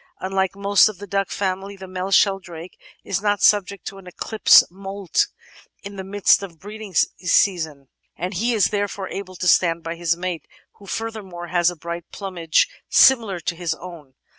Unlike most of the duck family the male Sheldrake is not subject to an "eclipse" moult in the midst of the breeding season, and he is therefore able to stand by his mate, who, furthermore, has a bright plumage similar to his own.